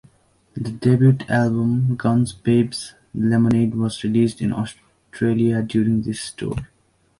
The debut album "Guns Babes Lemonade" was released in Australia during this tour.